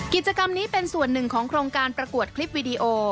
กิจกรรมนี้เป็นส่วนหนึ่งของโครงการประกวดคลิปวิดีโอ